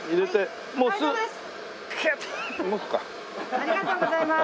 ありがとうございます。